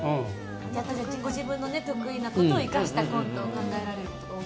やっぱりご自分のね得意なことを生かしたコントを考えられることが多かった。